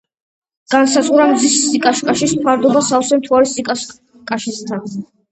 განსაზღვრა მზის სიკაშკაშის ფარდობა სავსე მთვარის სიკაშკაშესთან.